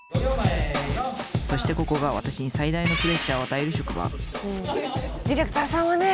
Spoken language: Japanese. そしてここが私に最大のプレッシャーを与える職場ディレクターさんはね